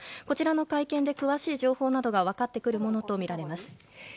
こちらの会見で詳しい情報が分かってくるものとみられます。